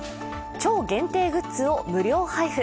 超限定グッズを無料配布